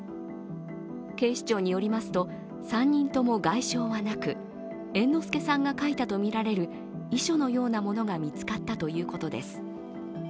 警視庁によりますと、３人とも外傷はなく猿之助さんが書いたとみられる遺書のようなものが見つかったということです。